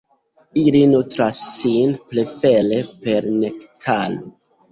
Ili nutras sin prefere per nektaro.